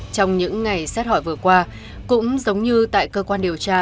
trong những ngày xét hỏi vừa qua cũng giống như tại cơ quan điều tra